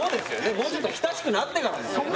もうちょっと親しくなってからですよね。